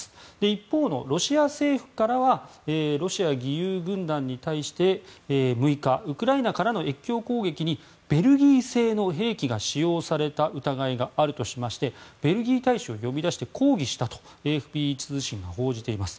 一方のロシア政府からはロシア義勇軍団に対して６日、ウクライナからの越境攻撃にベルギー製の兵器が使用された疑いがあるとしましてベルギー大使を呼び出して抗議したとＡＦＰ通信は報じています。